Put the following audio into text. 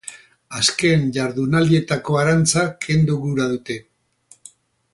Azken jardunaldietako arantza kendu gura dute.